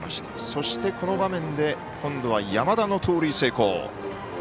そして、この場面で今度は山田の盗塁成功。